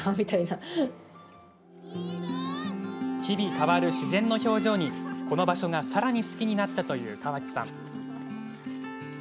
日々変わる自然の表情にこの場所がさらに好きになったという川地さん。